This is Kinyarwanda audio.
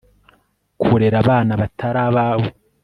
Kurera abana batari abawe